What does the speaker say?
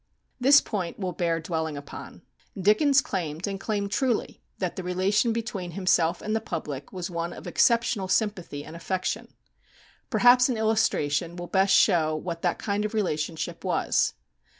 This point will bear dwelling upon. Dickens claimed, and claimed truly, that the relation between himself and the public was one of exceptional sympathy and affection. Perhaps an illustration will best show what that kind of relationship was.